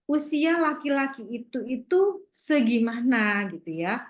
usia laki laki itu itu segimana gitu ya